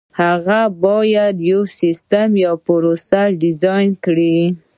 هغه باید یو سیسټم یا پروسه ډیزاین کړي.